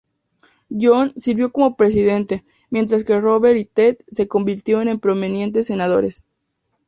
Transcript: John sirvió como presidente, mientras que Robert y Ted se convirtieron en prominentes senadores.